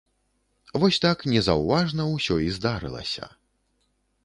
Вось так незаўважна усё і здарылася.